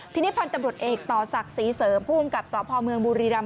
ที่นี่พันธบุตรเอกต่อศักดิ์ศรีเสริมผู้อุ้มกับสพมบุรีรัมป์